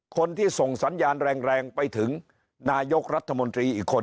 คนที่ส่งสัญญาณแรงไปถึงนายกรัฐมนตรีอีกคน